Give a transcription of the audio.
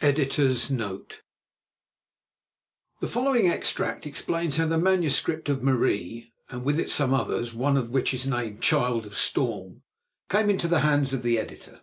EDITOR'S NOTE The following extract explains how the manuscript of "Marie," and with it some others, one of which is named "Child of Storm," came into the hands of the Editor.